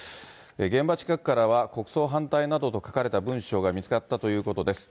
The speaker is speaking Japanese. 現場近くからは国葬反対などと書かれた文書が見つかったということです。